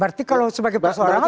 berarti kalau sebagai persorangan